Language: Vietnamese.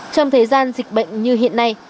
trong thời gian dịch bệnh như hiện nay